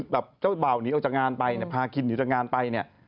แบบเจ้าเบาหนีเอาจากงานไปเนี่ยพากินหนีเอาจากงานไปเนี่ย